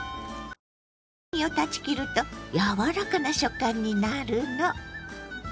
こうして繊維を断ち切ると柔らかな食感になるの。